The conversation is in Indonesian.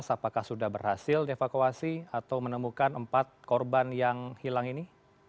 apakah sudah berhasil dievakuasi atau menemukan empat korban yang hilang ini